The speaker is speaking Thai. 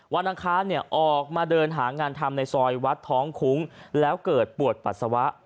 อังคารออกมาเดินหางานทำในซอยวัดท้องคุ้งแล้วเกิดปวดปัสสาวะ